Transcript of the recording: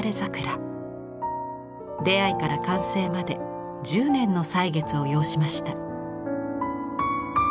出会いから完成まで１０年の歳月を要しました。